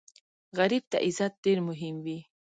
غریب ته عزت ډېر مهم وي